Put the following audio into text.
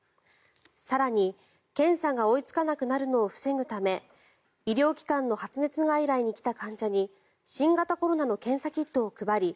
更に、検査が追いつかなくなるのを防ぐため医療機関の発熱外来に来た患者に新型コロナの検査キットを配り